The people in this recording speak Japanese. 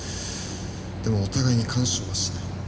でもお互いに干渉はしない